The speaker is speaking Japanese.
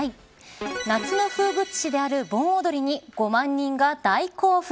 夏の風物詩である盆踊りに５万人が大興奮。